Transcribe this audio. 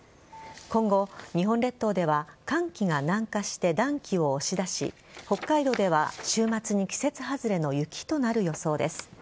今後、日本列島では寒気が南下して暖気を押し出し北海道では週末に季節外れの雪となる予想です。